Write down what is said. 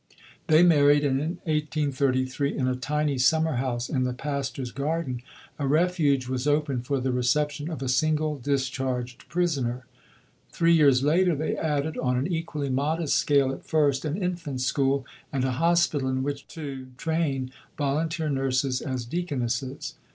They married, and in 1833 in a tiny summer house in the pastor's garden a refuge was opened for the reception of a single discharged prisoner. Three years later, they added, on an equally modest scale at first, an Infant School, and a Hospital in which to train volunteer nurses as deaconesses.